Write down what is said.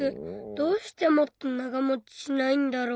どうしてもっと長もちしないんだろう。